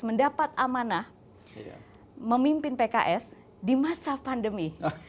mendapat amanah memimpin pks di masa pandemi